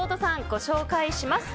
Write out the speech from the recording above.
ご紹介します。